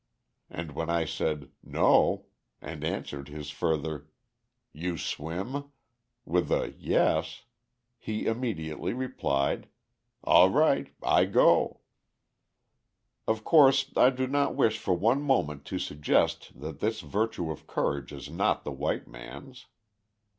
And when I said "No," and answered his further "You swim?" with a "Yes!" he immediately replied; "All right, I go." Of course I do not wish for one moment to suggest that this virtue of courage is not the white man's.